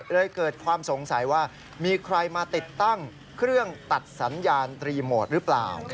เกิดความสงสัยว่ามีใครมาติดตั้งเครื่องตัดสัญญาณรีโมทหรือเปล่า